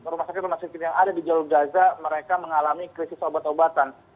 rumah sakit rumah sakit yang ada di jalur gaza mereka mengalami krisis obat obatan